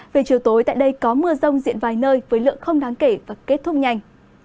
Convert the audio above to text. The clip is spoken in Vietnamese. về chiều tối tại đây có mưa rông diện vài nơi với lượng không đáng kể và kết thúc nhanh